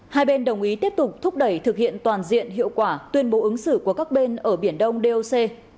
hai bên đồng ý tiếp tục thúc đẩy thực hiện toàn diện hiệu quả tuyên bố ứng xử của các bên ở biển đông doc